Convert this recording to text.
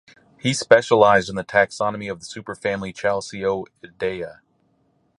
He specialized in the taxonomy of the superfamily Chalcidoidea.